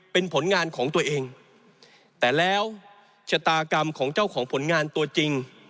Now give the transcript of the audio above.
เป็นผลงานของตัวเองแต่แล้วชะตากรรมของเจ้าของผลงานตัวจริง